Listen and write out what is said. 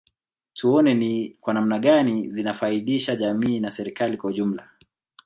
Tuone ni kwa namna gani zinafaidisha jamii na serikali kwa ujumla